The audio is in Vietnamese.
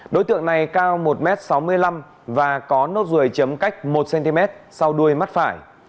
đối tượng này cao một m sáu mươi năm và có nốt ruồi chấm cách một cm sau đuôi mắt phải